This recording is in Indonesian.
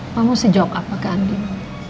mama mesti jawab apa ke andin